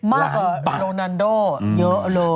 มากกว่าโรนันโดเยอะเลย